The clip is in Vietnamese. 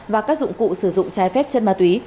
và các dụng cụ sử dụng trái phép chân ma túy